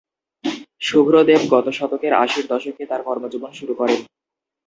শুভ্র দেব গত শতকের আশির দশকে তার কর্মজীবন শুরু করেন।